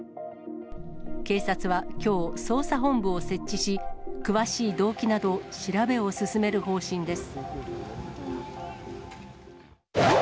警察はきょう、捜査本部を設置し、詳しい動機など、調べを進める方針です。